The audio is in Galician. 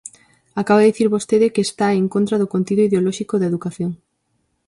Acaba de dicir vostede que está en contra do contido ideolóxico da educación.